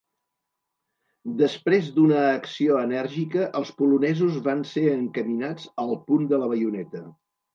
Després d'una acció enèrgica, els polonesos van ser encaminats al punt de la baioneta.